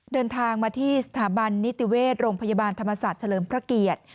เดินทางมาที่สถาบันนิติเวชโรงพยาบาลธรรมศาสตร์เฉลิมพระเกียรติ